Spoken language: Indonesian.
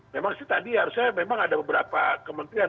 memang sih tadi harusnya memang ada beberapa kementerian